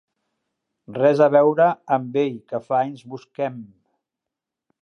Res a veure amb ell que fa anys busquem.